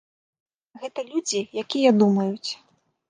Гэта людзі, якія думаюць.